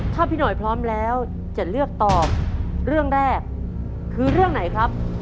ถ้าพี่หน่อยพร้อมแล้วจะเลือกตอบเรื่องแรกคือเรื่องไหนครับ